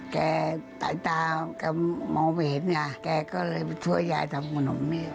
แกตายตาแกมองไปเห็นแกก็เลยช่วยยายทำขนมนี่